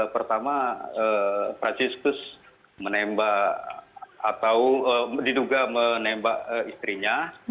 pertama franciscus menembak atau diduga menembak istrinya